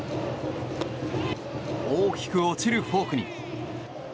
大きく落ちるフォークに。